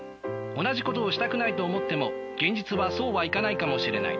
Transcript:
同じことをしたくないと思っても現実はそうはいかないかもしれない。